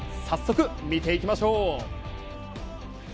早速見ていきましょう！